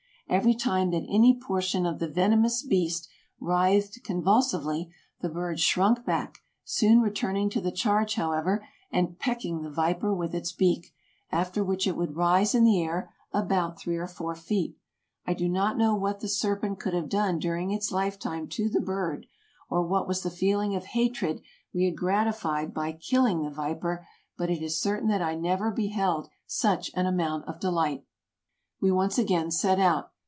Every time that any portion of the venomous beast writhed convulsively, the bird shrunk back, soon returning to the charge, however, and pecking the viper with its beak, after which it would rise in the air three or four feet. I do not know what the ser pent could have done during its lifetime to the bird, or what was the feeling of hatred we had gratified by killing EUROPE 189 the viper, but it is certain that I never beheld such an amount of delight. We once again set out.